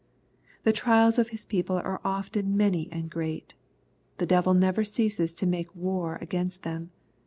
"fhe trials of His people are often many and great. The devil never ceases to make war against them.